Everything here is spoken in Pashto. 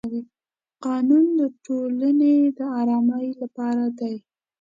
قانون د ټولنې د ارامۍ لپاره دی.